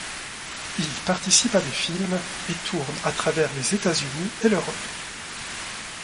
Il participe à des films et tourne à travers les États-Unis et l'Europe.